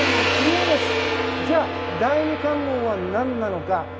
じゃあ、第２関門は何なのか。